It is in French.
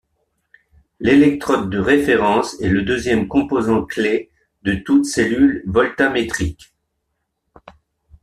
L'électrode de référence est le deuxième composant-clé de toute cellule voltammétrique.